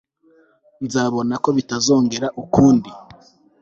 Nzabona ko bitazongera ukundi